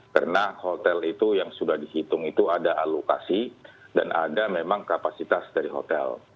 karena hotel itu yang sudah dihitung itu ada alokasi dan ada memang kapasitas dari hotel